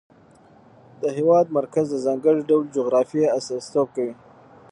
د هېواد مرکز د ځانګړي ډول جغرافیه استازیتوب کوي.